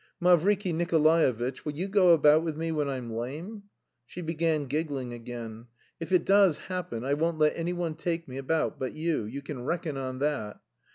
Mavriky Nikolaevitch, will you go about with me when I'm lame?" She began giggling again. "If it does happen I won't let anyone take me about but you, you can reckon on that....